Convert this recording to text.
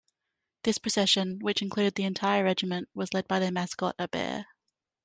This procession, which included the entire regiment, was led by their mascot, a bear.